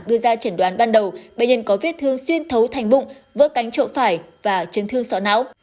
đưa ra chẩn đoán ban đầu bệnh nhân có vết thương xuyên thấu thành bụng vỡ cánh trội phải và chấn thương sọ não